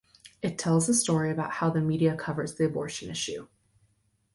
It tells the story about how the media covers the abortion issue.